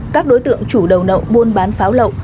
các đối tượng chủ đầu nậu buôn bán pháo lậu